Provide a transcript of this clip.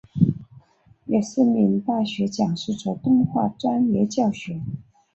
也是名大学讲师做动画专业教学。